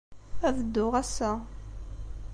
Ad dduɣ ass-a.